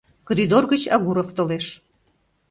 Коридор гыч Агуров толеш.